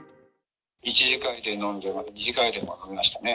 １次会で飲んで、また２次会でも飲みましたね。